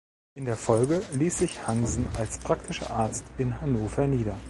In der Folge ließ sich Hansen als praktischer Arzt in Hannover nieder.